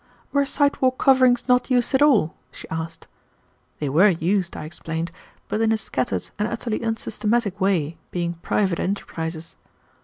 "Were sidewalk coverings not used at all?" she asked. They were used, I explained, but in a scattered and utterly unsystematic way, being private enterprises.